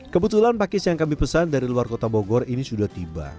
kebetulan pakis yang kami pesan dari luar kota bogor ini sudah tiba